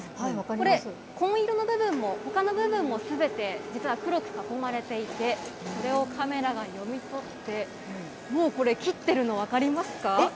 これ、紺色の部分もほかの部分もすべて、実は黒く囲まれていて、これをカメラが読み取って、もうこれ、切ってるの分かりますか。